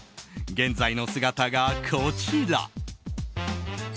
現在の姿がこちら。